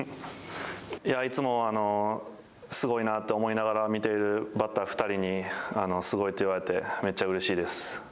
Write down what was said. いつもすごいなと思いながら見ているバッター２人にすごいと言われて、めっちゃうれしいです。